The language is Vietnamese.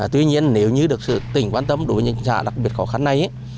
tuy nhiên nếu như được sự tỉnh quan tâm đối với những xã đặc biệt khó khăn này